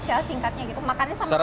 cara singkatnya gitu makannya sama apa juga